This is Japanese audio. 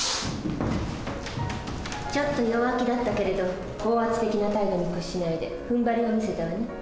ちょっと弱気だったけれど高圧的な態度に屈しないでふんばりを見せたわね。